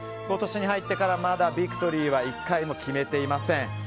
今年に入ってからまだビクトリーは１回も決めていません。